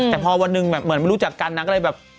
แต่พอเพียงวันนึงก็เหมือนไม่รู้จักกันก็เลยแบบ